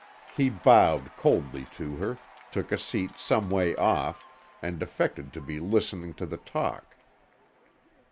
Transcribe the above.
He bowed coldly to her, took a seat some way off, and affected to be listening to the talk.